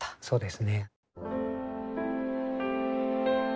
そうですね。